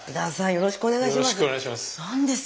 よろしくお願いします。